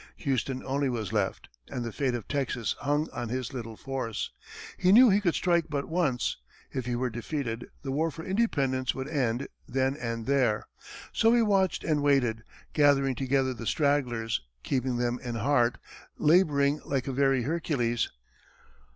Houston only was left, and the fate of Texas hung on his little force; he knew he could strike but once; if he were defeated, the war for independence would end then and there; so he watched and waited, gathering together the stragglers, keeping them in heart, laboring like a very Hercules.